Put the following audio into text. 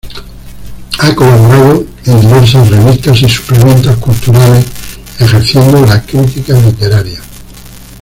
Ha colaborado en diversas revistas y suplementos culturales ejerciendo la crítica literaria.